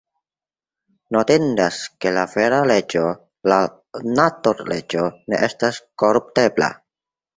Notindas, ke la vera leĝo, la natur-leĝo, ne estas koruptebla.